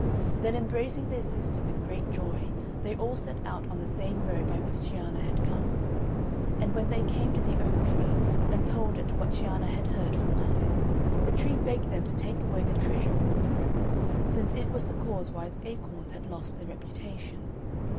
Then embracing their sister with great joy, they all set out on the same road by which Cianna had come. And when they came to the oak tree, and told it what Cianna had heard from Time, the tree begged them to take away the treasure from its roots, since it was the cause why its acorns had lost their reputation.